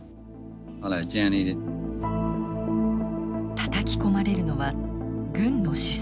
たたき込まれるのは軍の思想。